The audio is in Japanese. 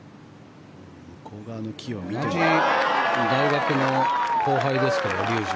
同じ大学の後輩ですけど竜二